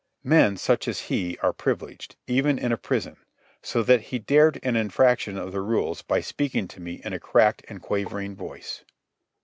Men such as he are privileged, even in a prison, so that he dared an infraction of the rules by speaking to me in a cracked and quavering voice.